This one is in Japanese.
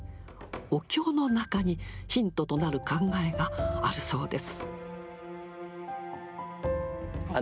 お経の中にヒントとなる考えがあるそうです。